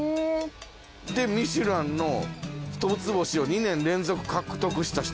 で『ミシュラン』の一つ星を２年連続獲得した人。